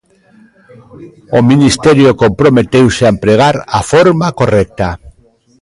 O Ministerio comprometeuse a empregar a forma correcta.